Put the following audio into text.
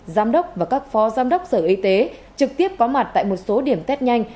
giám đốc và các phó giám đốc sở y tế trực tiếp có mặt tại một số điểm test nhanh